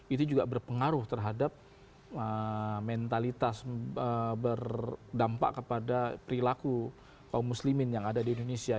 itu juga berpengaruh terhadap mentalitas berdampak kepada perilaku kaum muslimin yang ada di indonesia